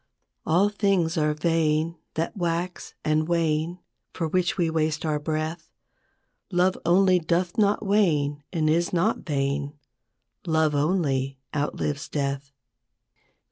All things are vain that wax and wane, For which we waste our breath ; Love only doth not wane and is not vain, Love only outlives death.